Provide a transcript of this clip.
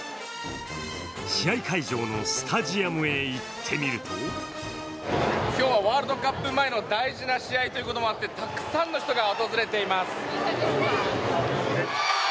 試合会場のスタジアムへ行ってみると今日はワールドカップ前の大事な試合ということもあってたくさんの人が訪れています。